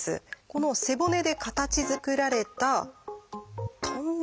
この背骨で形づくられたトンネル。